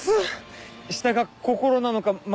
下が「心」なのか「又」